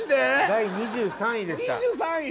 第２３位でした２３位？